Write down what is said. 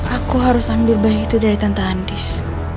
aku harus ambil bayi itu dari tante andis